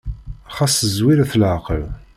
Xas zwiret leɛqel.